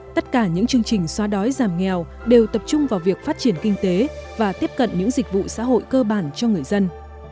tất cả những chương trình xóa đói giảm nghèo đều tập trung vào việc phát triển kinh tế và tiếp cận những dịch vụ xã hội cơ bản cho người dân